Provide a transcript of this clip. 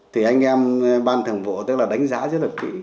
thì anh em ban thường vụ tức là đánh giá rất là kỹ